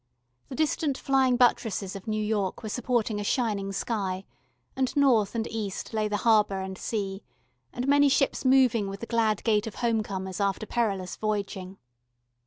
The distant flying buttresses of New York were supporting a shining sky, and north and east lay the harbour and sea, and many ships moving with the glad gait of home comers after perilous voyaging.